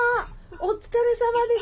お疲れさまです。